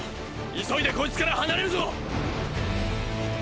⁉急いでこいつから離れるぞ！